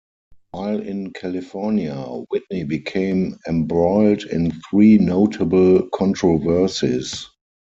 While in California, Whitney became embroiled in three notable controversies.